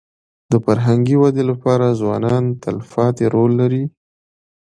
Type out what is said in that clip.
د فرهنګي ودې لپاره ځوانان تلپاتې رول لري.